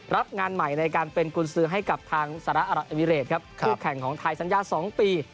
รับงานใหม่ในการเป็นกุญสือให้กับทางสหรัฐอัตวิเศษครับคู่แข่งของไทยสัญญา๒ปี